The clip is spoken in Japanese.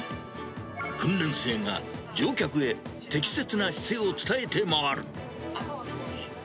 訓練生が乗客へ、適切な姿勢を伝えて回る。